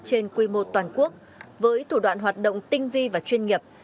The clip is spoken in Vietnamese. trên quy mô toàn quốc với thủ đoạn hoạt động tinh vi và chuyên nghiệp